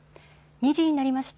２時になりました。